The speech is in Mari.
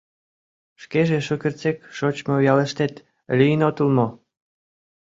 — Шкеже шукертсек шочмо ялыштет лийын отыл мо?